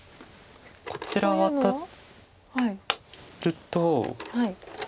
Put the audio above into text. こちらワタると。